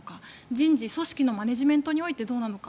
人事組織のマネジメントにおいてどうなのか。